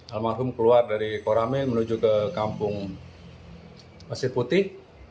almarhum keluar dari korame menuju ke kampung pasir putih